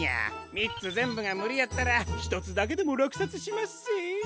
みっつぜんぶがむりやったらひとつだけでもらくさつしまっせ！